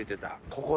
ここ！